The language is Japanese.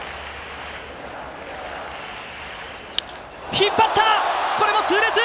引っ張った、これもツーベース！